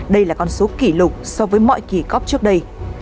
đây là con số kỷ lục so với mọi kỳ cop trước đây